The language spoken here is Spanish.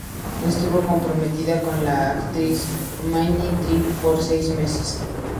Estuvo comprometido con la actriz Minnie Driver por seis meses.